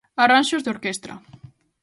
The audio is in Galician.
Arranxos de orquestra.